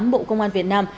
bộ công an việt nam